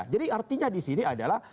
jadi artinya di sini adalah